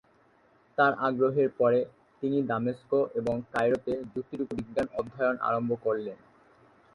তার আগ্রহের পরে, তিনি দামেস্ক এবং কায়রোতে যুক্তিযুক্ত বিজ্ঞান অধ্যয়ন আরম্ভ করলেন।